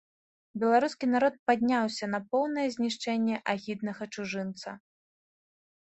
Беларускі народ падняўся на поўнае знішчэнне агіднага чужынца.